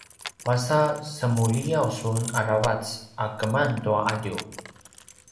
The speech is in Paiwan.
masa semuliyaw sun aravac a keman tua alju?